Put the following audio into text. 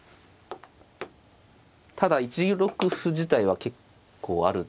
ただ１六歩自体は結構ある手で。